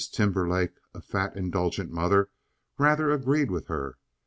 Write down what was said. Timberlake, a fat, indulgent mother, rather agreed with her.